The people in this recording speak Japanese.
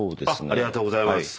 ありがとうございます。